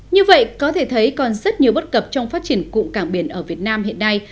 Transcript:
như vậy có thể thấy còn rất nhiều bất cập trong phát triển cụm cảng biển ở việt nam hiện nay